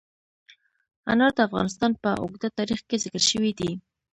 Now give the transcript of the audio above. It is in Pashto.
انار د افغانستان په اوږده تاریخ کې ذکر شوی دی.